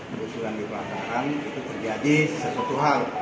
berusulan di perantaran itu terjadi sesuatu hal